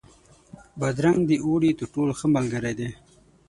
بادرنګ د اوړي تر ټولو ښه ملګری دی.